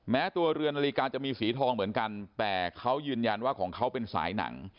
แม้ตัวเรือนนาฬิกาจะมีสีทองเหมือนกันแต่เขายืนยันว่าของเขาเป็นสายหนัง